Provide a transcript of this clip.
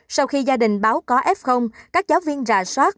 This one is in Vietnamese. sau khi gia đình báo có f các giáo viên rà soát